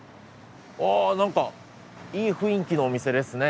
わぁなんかいい雰囲気のお店ですね。